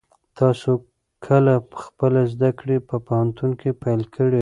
تاسو کله خپلې زده کړې په پوهنتون کې پیل کړې؟